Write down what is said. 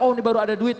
oh ini baru ada duit